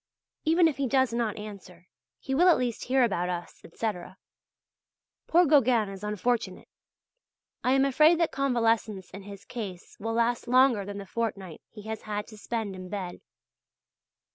Even if he does not answer, he will at least hear about us, etc. Poor Gauguin is unfortunate; I am afraid that convalescence in his case will last longer than the fortnight he has had to spend in bed.